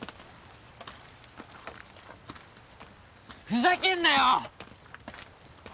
ふざけんなよ！